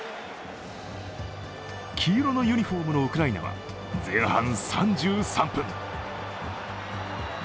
黄色のユニフォームのウクライナは前半３３分。